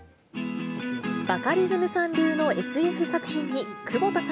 バカリズムさん流のＳＦ作品